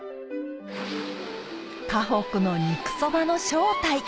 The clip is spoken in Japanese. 河北の肉そばの正体